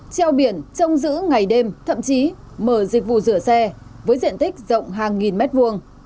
treo biển trông giữ ngày đêm thậm chí mở dịch vụ rửa xe với diện tích rộng hàng nghìn mét vuông